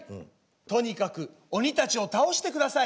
とにかく鬼たちを倒してください」。